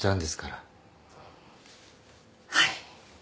はい。